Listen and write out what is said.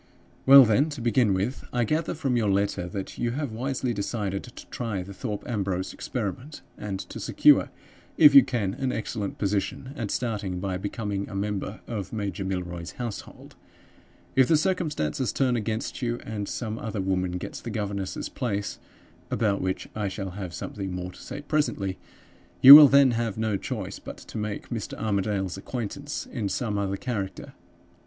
"Well, then, to begin with: I gather from your letter that you have wisely decided to try the Thorpe Ambrose experiment, and to secure, if you can, an excellent position at starting by becoming a member of Major Milroy's household. If the circumstances turn against you, and some other woman gets the governess's place (about which I shall have something more to say presently), you will then have no choice but to make Mr. Armadale's acquaintance in some other character.